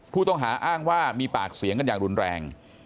ผู้ต้องหาอ้างว่ามีปากเสียงกันอย่างรุนแรง